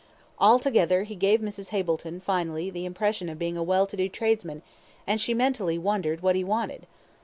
Altogether he gave Mrs. Hableton finally the impression of being a well to do tradesman, and she mentally wondered what he wanted.